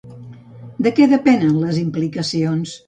De què depenen les implicacions?